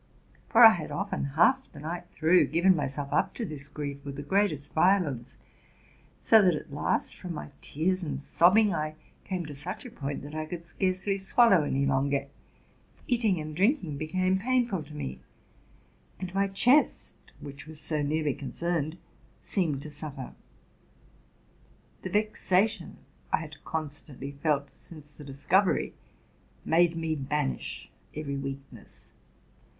For I had often, half the night through, given myself up to this grief with the greatest 'violence ; so that at last, from ny tears and sobbing, I came to such a point that I could scareely swallow any longer; eating and drinking became painful to me; and my chest, which was so nearly concerned, seemed to suffer. The vexation I had constantly felt since the discovery made me banish every weakness.